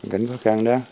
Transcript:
cảnh khó khăn đó